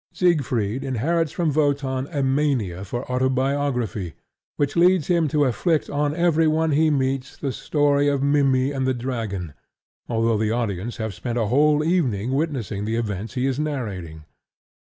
Siegfried inherits from Wotan a mania for autobiography which leads him to inflict on every one he meets the story of Mimmy and the dragon, although the audience have spent a whole evening witnessing the events he is narrating.